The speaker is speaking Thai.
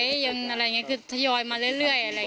อะไรอย่างเงี้ยคือทยอยมาเรื่อย